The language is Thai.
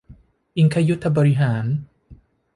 อิงคยุทธบริหาร